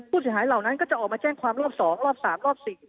ผู้เสียหายเหล่านั้นก็จะออกมาแจ้งความรอบ๒รอบ๓รอบ๔